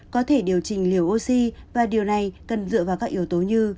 có thể điều chỉnh liều oxy và điều này cần dựa vào các yếu tố như